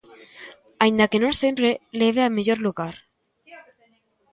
Aínda que non sempre leve a mellor lugar.